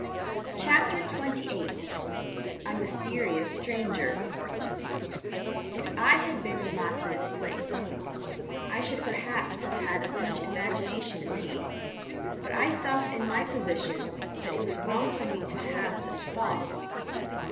CHAPTER XXVIII A MYSTERIOUS STRANGER If I had been in Mattia's place, I should perhaps have had as much imagination as he, but I felt in my position that it was wrong for me to have such thoughts.